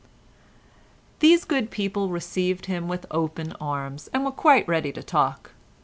These good people received him with open arms, and were quite ready to talk.